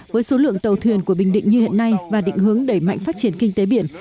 với số lượng tàu thuyền của bình định như hiện nay và định hướng đẩy mạnh phát triển kinh tế biển